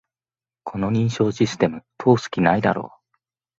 この認証システム、通す気ないだろ